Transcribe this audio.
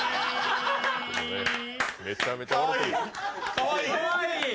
かわいい。